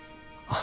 あ